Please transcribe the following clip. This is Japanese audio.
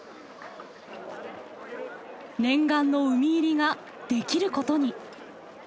念願の海入りができることに！